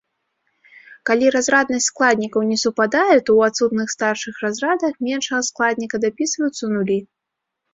Калі разраднасць складнікаў не супадае, то ў адсутных старшых разрадах меншага складніка дапісваюцца нулі.